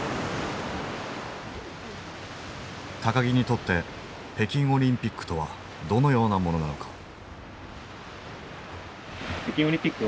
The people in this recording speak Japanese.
木にとって北京オリンピックとはどのようなものなのか。